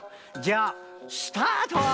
じゃあスタート！